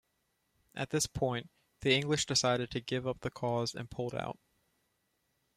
At this point, the English decided to give up the cause and pulled out.